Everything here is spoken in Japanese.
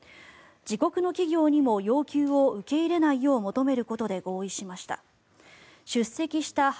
自国の企業にも要求を受け入れないよう求めることで合意しました。